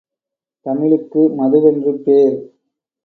தமிழுக்கு மதுவென்று பேர்!